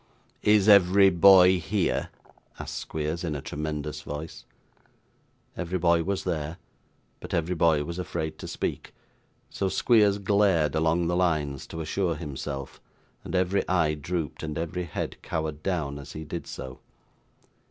'Is every boy here?' asked Squeers, in a tremendous voice. Every boy was there, but every boy was afraid to speak, so Squeers glared along the lines to assure himself; and every eye drooped, and every head cowered down, as he did so.